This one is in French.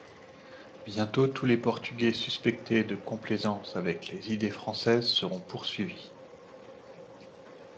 Bientôt tous les Portugais suspectés de complaisance avec les idées françaises sont poursuivis.